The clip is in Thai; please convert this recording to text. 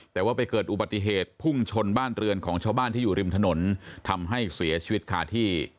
แต่ว่าไปเกิดอุบัติเหตุพุ่งชนบ้านเรือนของชาวบ้านที่อยู่ริมถนนทำให้เสียชีวิตคาที่